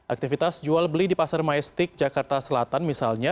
aktivitas jual beli di pasar maestik jakarta selatan misalnya